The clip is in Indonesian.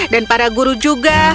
dan para guru juga